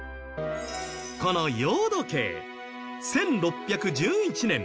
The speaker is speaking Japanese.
この洋時計、１６１１年